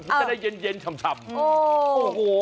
มันจะได้เย็นชำโอ้โห